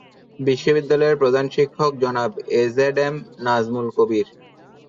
বিদ্যালয়ের প্রধান শিক্ষক জনাব A Z M Nazmul Kabir.